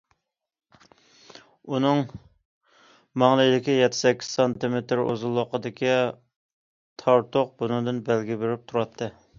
ئۇنىڭ ماڭلىيىدىكى يەتتە- سەككىز سانتىمېتىر ئۇزۇنلۇقتىكى تارتۇق بۇنىڭدىن بەلگە بېرىپ تۇراتتى.